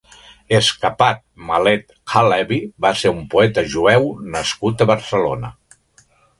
Escapat Malet ha-Leví va ser un poeta jueu nascut a Barcelona.